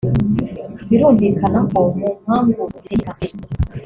Birumvikana ko mu mpamvu zitera iyi kanseri